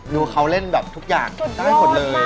ดูเขาเล่นแบบทุกอย่างน่าจะห่วงเลย